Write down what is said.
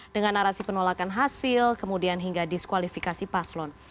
dengan narasi penolakan hasil kemudian hingga diskualifikasi paslon